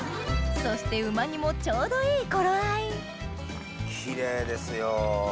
そしてうま煮もちょうどいい頃合いキレイですよ。